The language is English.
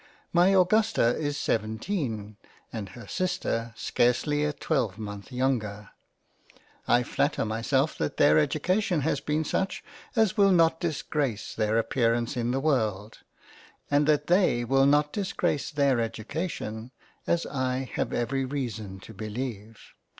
My Augusta is 17 and her sister scarcely a twelvemonth younger. I flatter myself that their education has been such as will not disgrace their appearance in the World, and that they will not disgrace their Education I have every reason to beleive.